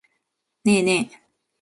ねえねえ。